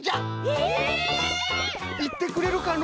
えっ！？いってくれるかの？